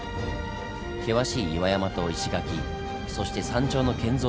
険しい岩山と石垣そして山頂の建造物。